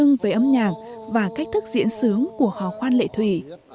điều này đã dẫn tới âm nhạc và cách thức diễn sướng của hò khoan lệ thủy